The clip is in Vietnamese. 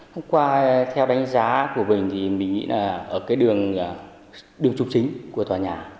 hôm qua theo đánh giá của mình thì mình nghĩ là ở cái đường đường trục chính của tòa nhà